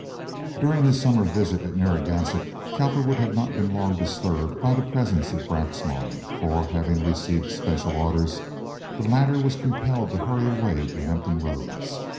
During his summer visit at Narragansett Cowperwood had not been long disturbed by the presence of Braxmar, for, having received special orders, the latter was compelled to hurry away to Hampton Roads.